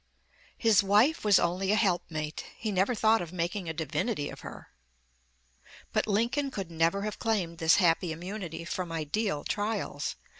His wife was only a helpmate; he never thought of making a divinity of her." But Lincoln could never have claimed this happy immunity from ideal trials.